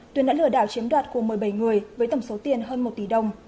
tuyền đã lừa đảo chiếm đoạt của một mươi bảy người với tổng số tiền hơn một tỷ đồng